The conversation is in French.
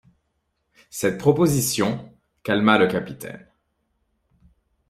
Cette proposition calma le capitaine.